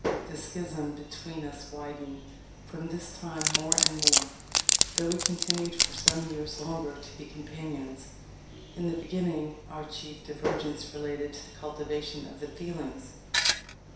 The schism between us widened from this time more and more, though we continued for some years longer to be companions. In the beginning, our chief divergence related to the cultivation of the feelings.